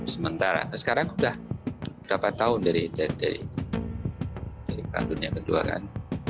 sementara sekarang sudah berapa tahun dari perang dunia ii kan